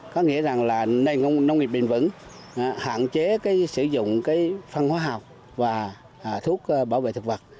có nghĩa là nâng nông nghiệp bình vững hạn chế sử dụng phân hóa học và thuốc bảo vệ thực vật